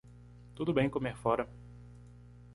Tudo bem comer fora.